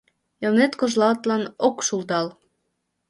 Элнет кожлатлан ок шулдал.